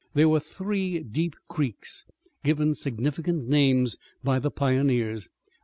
There were three deep creeks, given significant names by the pioneers.